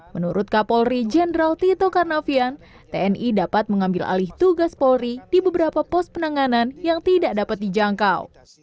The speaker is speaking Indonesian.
menurut kapolri jenderal tito karnavian tni dapat mengambil alih tugas polri di beberapa pos penanganan yang tidak dapat dijangkau